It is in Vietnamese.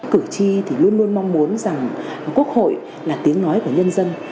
cử tri thì luôn luôn mong muốn rằng quốc hội là tiếng nói của nhân dân